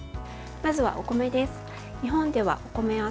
まずは、お米です。